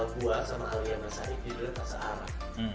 gua sama aliyah mas sa'id di band taksa arab